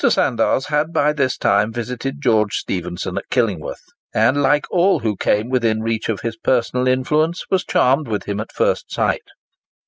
Sandars had by this time visited George Stephenson at Killingworth, and, like all who came within reach of his personal influence, was charmed with him at first sight.